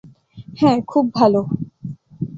হ্যাঁ খুব ভালো।